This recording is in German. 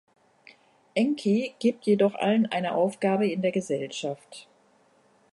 Enki gibt jedoch allen eine Aufgabe in der Gesellschaft.